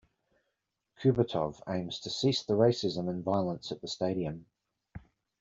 Kubatov aims to cease the racism and violence at the stadium.